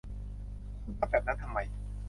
คุณทำแบบนั้นทำไม